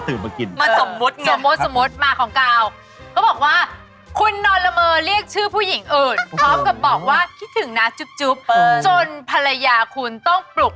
คุณด้วยความมะโหกคุณจะแก้ไขสถานการณ์อย่างไร